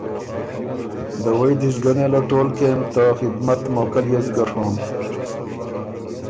دوَئ دی سو ګۀ نېله ټول کېم۔ ته خدمت موقع ليې سو ګۀ ڒوم